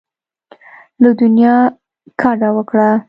له دنیا کډه وکړه.